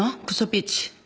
クソビッチ。